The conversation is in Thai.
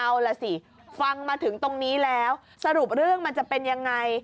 เอาล่ะสิฟังมาถึงตรงนี้แล้วสรุปเรื่องมันจะเป็นยังไง